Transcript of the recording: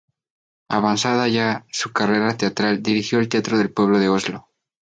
Avanzada ya su carrera teatral, dirigió el Teatro del Pueblo de Oslo.